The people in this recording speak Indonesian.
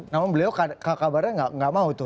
namun beliau kabarnya nggak mau tuh